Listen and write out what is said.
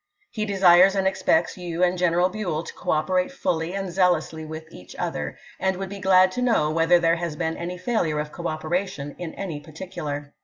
He desires and expects you and General Buell to cooperate fully to^Hafieck, and zealously with each other, and would be glad 18^2^^ w.^r. to know whether there has been any failure of p.*652. ' cooperation in any particular."